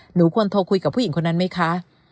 หนูควรโทรคุยกับผู้หญิงคนนั้นไหมคะ